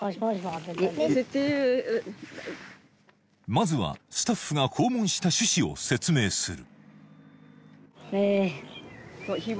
まずはスタッフが訪問した趣旨を説明する